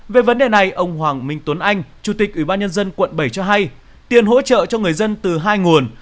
về vấn đề này ông hoàng minh tuấn anh chủ tịch ủy ban nhân dân quận bảy cho hay tiền hỗ trợ cho người dân từ hai nguồn